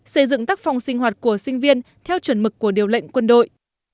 xây dựng tác phòng sinh hoạt của sinh viên theo chuẩn mực của điều lệnh quân đội